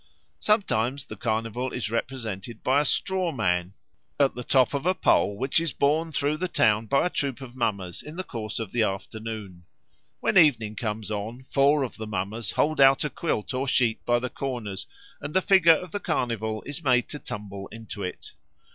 Sometimes the Carnival is represented by a straw man at the top of a pole which is borne through the town by a troop of mummers in the course of the afternoon. When evening comes on, four of the mummers hold out a quilt or sheet by the corners, and the figure of the Carnival is made to tumble into it.